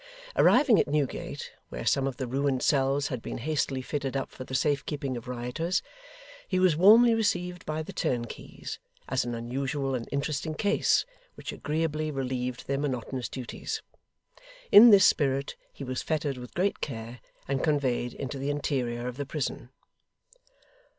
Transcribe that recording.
Arriving at Newgate, where some of the ruined cells had been hastily fitted up for the safe keeping of rioters, he was warmly received by the turnkeys, as an unusual and interesting case, which agreeably relieved their monotonous duties. In this spirit, he was fettered with great care, and conveyed into the interior of the prison.